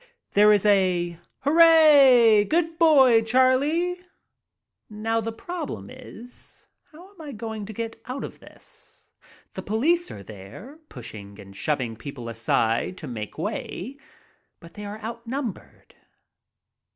There is a " Hooray !"" Good boy, Charlie !" Now the problem is how am I going to get out of this? The police are there, pushing and shoving people aside to make way, but they are outnumbered.